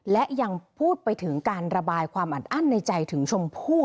และยังพูดไปถึงการระบายความอัดอั้นในใจถึงชมพู่